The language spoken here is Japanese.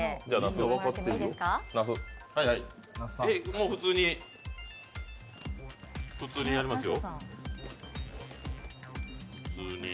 もう、普通にやりますよ。